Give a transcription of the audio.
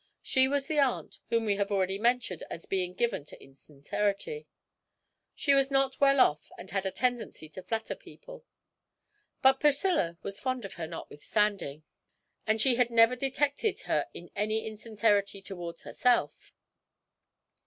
She was the aunt whom we have already mentioned as being given to insincerity; she was not well off, and had a tendency to flatter people; but Priscilla was fond of her notwithstanding, and she had never detected her in any insincerity towards herself.